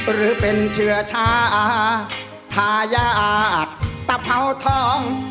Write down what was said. หรือเป็นเชื้อชาทาทายากตะเผาทอง